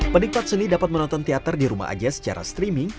penikmat seni dapat menonton teater di rumah aja secara streaming